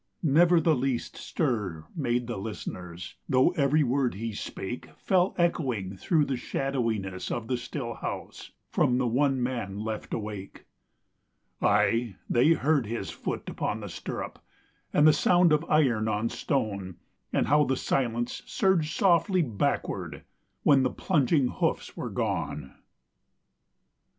Never the least stir made the listeners, Though every word he spake Fell echoing through the shadowiness of the still house From the one man left awake: Aye, they heard his foot upon the stirrup, And the sound of iron on stone, And how the silence surged softly backward, When the plunging hoofs were gone.